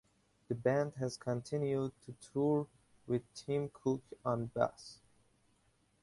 The band has continued to tour with Tim Cook on bass.